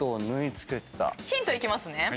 ヒントいきますね。